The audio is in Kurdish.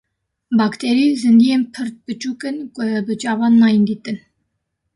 Bakterî zindiyên pir biçûk in ku bi çavan nayên dîtin.